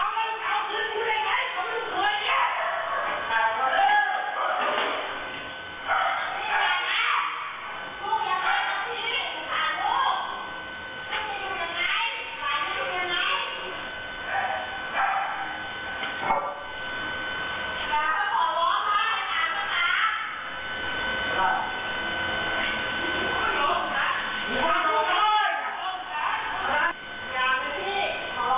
มีคลิปภาพเหตุการณ์ที่เกิดขึ้นไปดูก่อนเลยค่ะ